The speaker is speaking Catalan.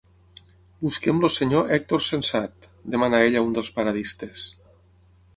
Busquem el senyor Hèctor Sensat —demana ell a un dels paradistes.